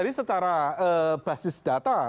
jadi secara basis data